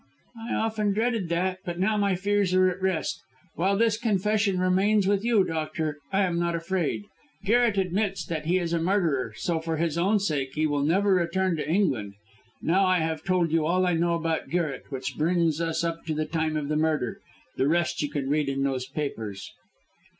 "I often dreaded that, but now my fears are at rest. While this confession remains with you, doctor, I am not afraid. Garret admits that he is a murderer, so for his own sake he will never return to England. Now I have told you all I know about Garret, which brings us up to the time of the murder. The rest you can read in those papers."